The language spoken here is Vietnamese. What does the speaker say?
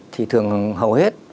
thì thường hầu hết